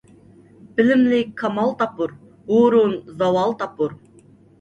بىلىملىك كامال تاپۇر، ھۇرۇن زاۋال تاپۇر.